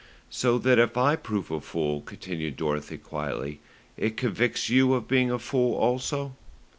"So that if I prove a fool," continued Dorothy quietly, "it convicts you of being a fool also."